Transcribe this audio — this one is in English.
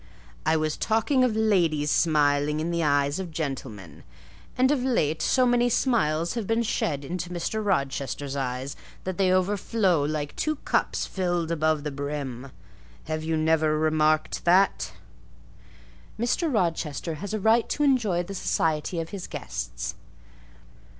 "I was talking of ladies smiling in the eyes of gentlemen; and of late so many smiles have been shed into Mr. Rochester's eyes that they overflow like two cups filled above the brim: have you never remarked that?" "Mr. Rochester has a right to enjoy the society of his guests."